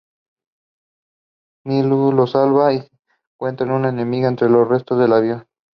Milú lo salva y encuentra un enigma entre los restos del avión.